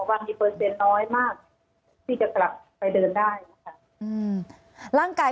อันดับที่สุดท้าย